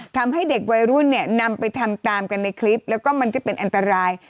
ทำให้เด็กวัยรุ่นเนี่ยนำไปทำตามกันในคลิปแล้วก็มันจะเป็นอันตราย